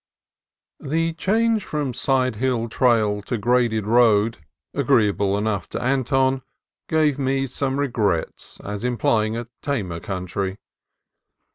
The change from sidehill trail to graded road, agreeable enough to Anton, gave me some re grets as implying a tamer country.